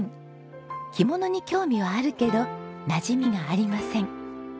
着物に興味はあるけどなじみがありません。